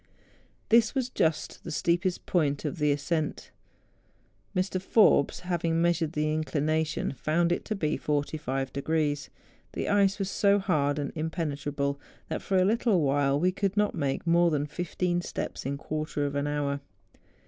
This was just the steepest point of the ascent. Mr. P^'orbes, having measured the inclination, found it to be 45°. The ice was so hard and impenetrable that for a little while we could not make more than fifteen steps in a quarter of an hour.